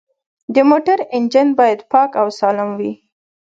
د موټر انجن باید پاک او سالم وي.